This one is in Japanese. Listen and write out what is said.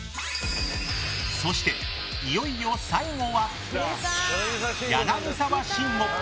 そして、いよいよ最後は柳沢慎吾。